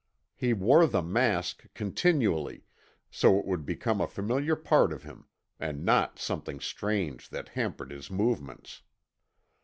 He wore the mask continually, so it would become a familiar part of him, and not something strange that hampered his movements.